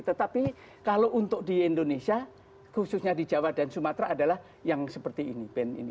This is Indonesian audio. tetapi kalau untuk di indonesia khususnya di jawa dan sumatera adalah yang seperti ini